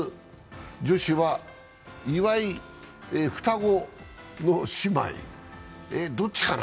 女子は岩井双子の姉妹、どっちかな？